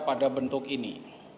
ada bentuk ini